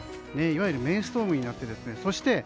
いわゆるメイストームになってそして